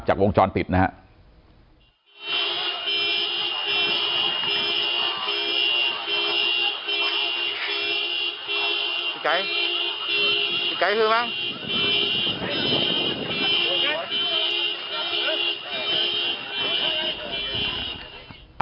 จากวงชรปิดนะฮะ